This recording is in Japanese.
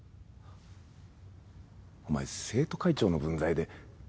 お前生徒会長の分際で。